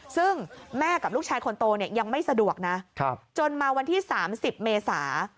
ซึ่งแม่กับลูกชายคนโตเนี่ยยังไม่สะดวกนะจนมาวันที่๓๐เมษา